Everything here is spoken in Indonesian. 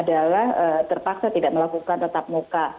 adalah terpaksa tidak melakukan tetap muka